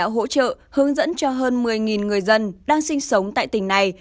hỗ trợ hướng dẫn cho hơn một mươi người dân đang sinh sống tại tỉnh này